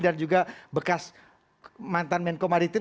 dan juga bekas mantan menko maritim